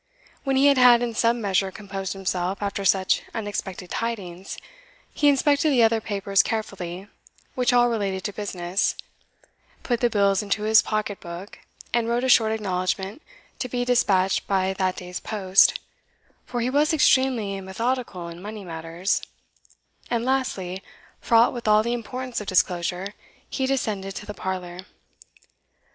When he had in some measure composed himself after such unexpected tidings, he inspected the other papers carefully, which all related to business put the bills into his pocket book, and wrote a short acknowledgment to be despatched by that day's post, for he was extremely methodical in money matters and lastly, fraught with all the importance of disclosure, he descended to the parlour.